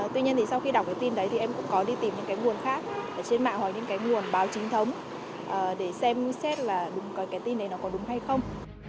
tuy nhiên thì sau khi đọc cái tin đấy thì em cũng có đi tìm những cái nguồn khác ở trên mạng hoặc những cái nguồn báo chính thống để xem xét là đúng cái tin đấy nó có đúng hay không